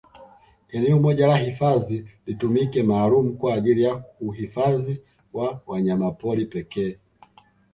Eneo moja la hifadhi litumike maalumu kwa ajili ya uhifadhi wa wanyamapori pekee